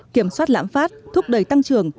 kiểm soát lãm phát thúc đẩy tăng trưởng